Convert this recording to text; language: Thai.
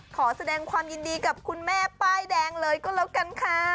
ขอแสดงความยินดีกับคุณแม่ป้ายแดงเลยก็แล้วกันค่ะ